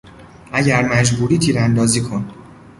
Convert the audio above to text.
اگر مجبوری تیراندازی کن!